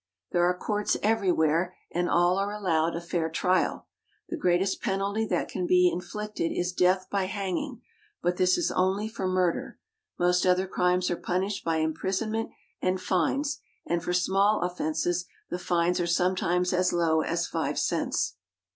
There are courts everywhere, and all are allowed a fair trial. The greatest penalty that can be in flicted is death by hanging, but this is only for murder. Most other crimes are punished by imprisonment and fines, and for small offenses the fines are som.etimes as low as five cents.